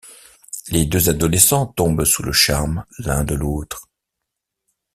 Les deux adolescents tombent sous le charme l'un de l'autre.